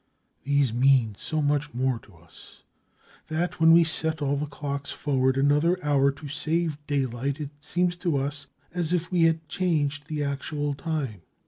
These mean so much more to us that, when we set all the clocks forward another hour to save daylight, it seemed to us as if we had changed the actual time.